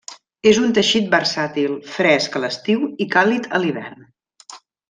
És un teixit versàtil, fresc a l'estiu i càlid a l'hivern.